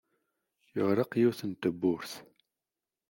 Teɣleq yiwet n tewwurt.